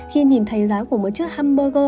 khi nhìn thấy giá của một chiếc hamburger